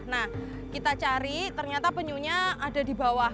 nah kita cari ternyata penyunya ada di bawah